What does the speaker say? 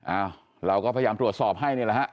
อ้าวเราก็พยายามตรวจสอบให้นี่แหละฮะ